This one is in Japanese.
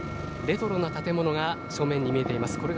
レトロな建物が正面に見えています